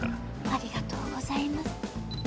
ありがとうございます。